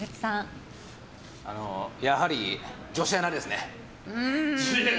やはり女子アナですねっ！